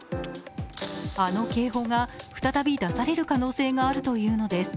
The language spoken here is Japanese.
あの警報が再び出される可能性があるというのです。